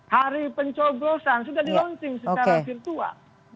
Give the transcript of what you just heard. hari pencoblosan sudah dilaunching secara virtual